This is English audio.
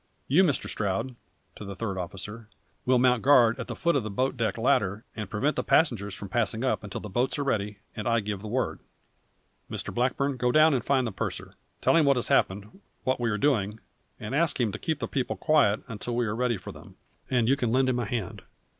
You, Mr Stroud," (to the third officer) "will mount guard at the foot of the boat deck ladder and prevent passengers passing up until the boats are ready and I give the word. Mr Blackburn, go down and find the purser; tell him what has happened, what we are doing, and ask him to keep the people quiet until we are ready for them, and you can lend him a hand.